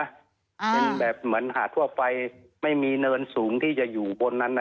เป็นแบบเหมือนหาดทั่วไปไม่มีเนินสูงที่จะอยู่บนนั้นนะ